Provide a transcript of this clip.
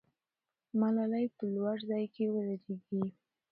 ملالۍ په لوړ ځای کې ودرېږي.